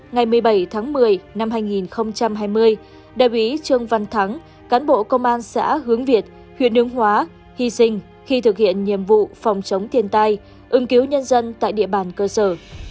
ngày một mươi bảy tháng một mươi năm hai nghìn hai mươi đại úy trương văn thắng cán bộ công an xã hướng việt huyện hướng hóa hy sinh khi thực hiện nhiệm vụ phòng chống thiên tai ứng cứu nhân dân tại địa bàn cơ sở